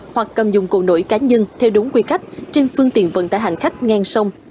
hoặc cầm dụng cụ nổi cá nhân theo đúng quy cách trên phương tiện vận tải hành khách ngang sông